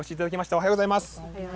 おはようございます。